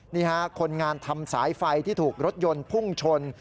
นี่ฮะคนงานทำสายไฟที่ถูกรถยนต์พุ่งชน